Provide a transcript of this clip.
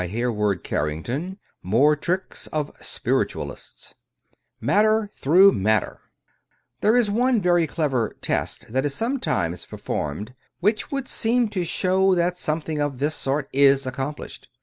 278 Hereward Carrington More Tricks of " Spiritualists ' T^HERE is one very clever " test " that is sometimes per formed which would seem to show that something of this sort is accomplished.